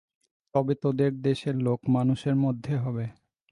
তবে তোদের দেশের লোক মানুষের মধ্যে হবে।